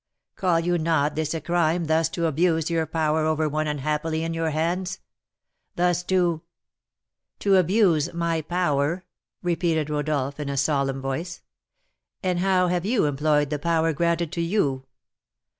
Call you not this a crime thus to abuse your power over one unhappily in your hands? Thus to " "To abuse my power!" repeated Rodolph, in a solemn voice. "And how have you employed the power granted to you?